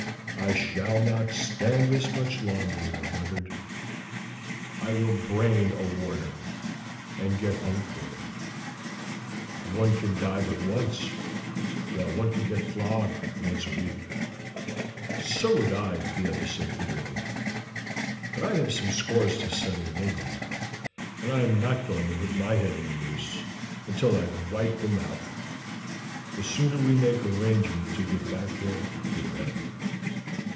"I shall not stand this much longer," one muttered. "I will brain a warder, and get hung for it. One can but die once, while one can get flogged once a week." "So would I," the other said bitterly; "but I have some scores to settle in England, and I am not going to put my head in a noose until I have wiped them out. The sooner we make arrangements to get back there the better."